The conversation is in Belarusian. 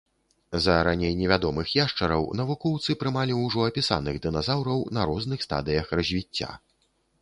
За раней невядомых яшчараў навукоўцы прымалі ўжо апісаных дыназаўраў на розных стадыях развіцця.